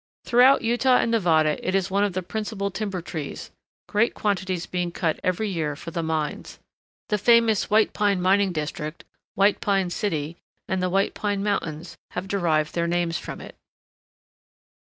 Throughout Utah and Nevada it is one of the principal timber trees, great quantities being cut every year for the mines. The famous White Pine Mining District, White Pine City, and the White Pine Mountains have derived their names from it.